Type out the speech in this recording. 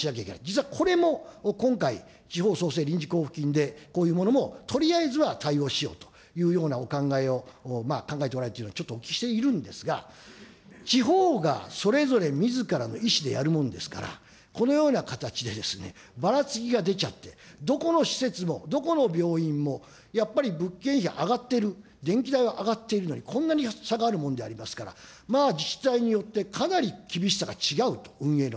実はこれも今回、地方創生臨時交付金でこういうものもとりあえずは対応しようというようなお考えを考えておられるっていうのはちょっとお聞きしているんですが、地方がそれぞれみずからの意思でやるもんですから、このような形でばらつきが出ちゃって、どこの施設も、どこの病院もやっぱり物件費が上がっている、電気代は上がってるのに、こんなに差があるものでありますから、自治体によってかなり厳しさが違うと、運営の。